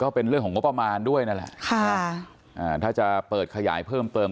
เป็นเรื่องของงบประมาณด้วยนั่นแหละค่ะอ่าถ้าจะเปิดขยายเพิ่มเติม